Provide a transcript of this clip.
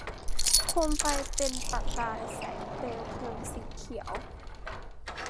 โคมไฟเป็นประกายแสงเปลวเพลิงสีเขียว